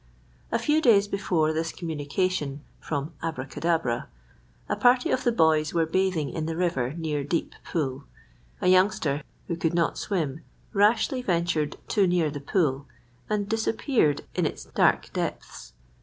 A few days before this communication from "Abracadabra," a party of the boys were bathing in the river near Deep Pool. A youngster who could not swim rashly ventured too near the pool, and disappeared in its dark depths.